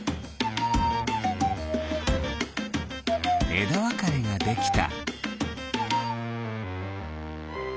えだわかれができた。